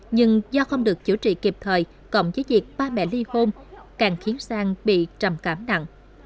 nhưng do không được chữa trị kịp thời cộng với việc ba mẹ ly hôn càng khiến sang bị trầm cảm nặng